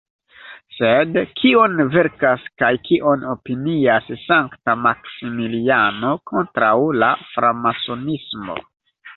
Sed kion verkas kaj kion opinias sankta Maksimiliano kontraŭ la Framasonismo?